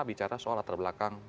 bicara soal latar belakang